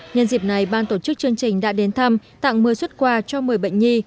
nhân dịp này ban tổ chức chương trình đã đến thăm tặng một mươi xuất quà cho một mươi bệnh nhi